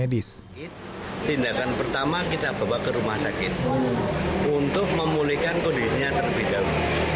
tindakan pertama kita bawa ke rumah sakit untuk memulihkan kondisinya terlebih dahulu